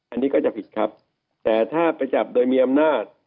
อันนี้ก็จะผิดครับแต่ถ้าไปจับโดยมีอำนาจ